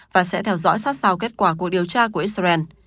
và sẽ theo dõi sát sao kết quả cuộc điều tra của israel